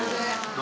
何？